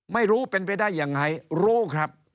ไม่รู้เป็นไปได้ยังไงรู้ครับ